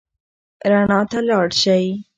رڼا ته لاړ شئ.